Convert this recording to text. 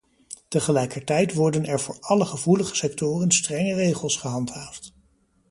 Tegelijkertijd worden er voor alle gevoelige sectoren strenge regels gehandhaafd.